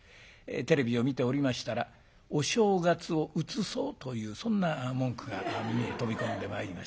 テレビを見ておりましたら「お正月をうつそう」というそんな文句が目に飛び込んでまいりました。